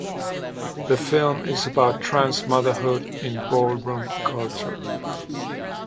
The film is about trans motherhood in ballroom culture.